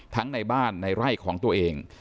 ในบ้านในไร่ของตัวเอง